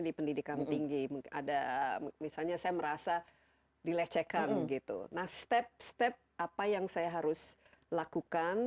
di pendidikan tinggi ada misalnya saya merasa dilecehkan gitu nah step step apa yang saya harus lakukan